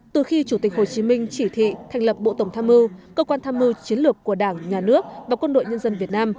từ khi chủ tịch hồ chí minh chỉ thị thành lập bộ tổng tham mưu cơ quan tham mưu chiến lược của đảng nhà nước và quân đội nhân dân việt nam